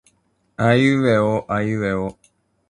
あいうえおあいうえお